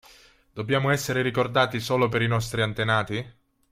Dobbiamo essere ricordati solo per i nostri antenati?